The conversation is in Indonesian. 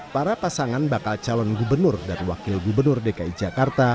para pasangan bakal calon gubernur dan wakil gubernur dki jakarta